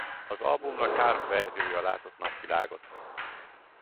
Az albumnak három verziója látott napvilágot.